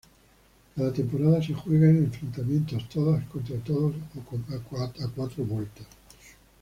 Cada temporada se juega en enfrentamientos todos contra todos a cuatro vueltas.